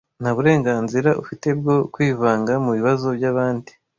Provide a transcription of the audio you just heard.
Nta burenganzira ufite bwo kwivanga mubibazo byabandi.